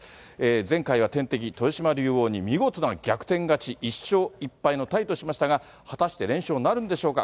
前回は天敵、豊島竜王に見事な逆転勝ち、１勝１敗のタイとしましたが、果たして連勝なるんでしょうか。